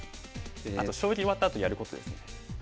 あと将棋終わったあとやることですね。